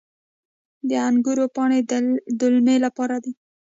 د انګورو پاڼې د دلمې لپاره دي.